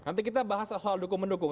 nanti kita bahas soal dukung mendukung